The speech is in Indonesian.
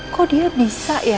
kok dia bisa ya